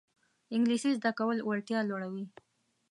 انګلیسي زده کول وړتیا لوړوي